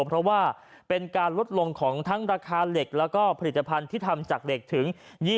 เพราะว่าเป็นการลดลงของทั้งราคาเหล็กแล้วก็ผลิตภัณฑ์ที่ทำจากเหล็กถึง